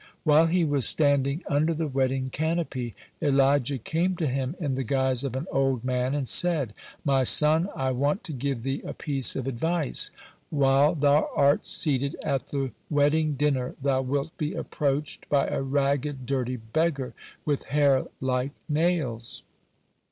While he was standing under the wedding canopy, Elijah came to him in the guise of an old man, and said: "My son, I want to give thee a piece of advice. While thou are seated at the wedding dinner, thou wilt be approached by a ragged, dirty beggar, with hair like nails.